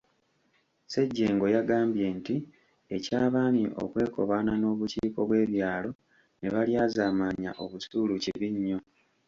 Ssejjengo yagambye nti eky'Abaami okwekobaana n'obukiiko bw'ebyalo ne balyazaamaanya obusuulu kibi nnyo.